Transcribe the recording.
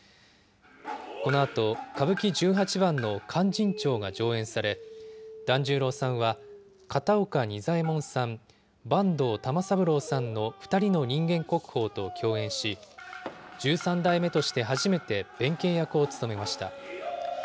このあと、歌舞伎十八番の勧進帳が上演され、團十郎さんは片岡仁左衛門さん、坂東玉三郎さんの２人の人間国宝と共演し、十三代目として初めて、弁慶役を務めました。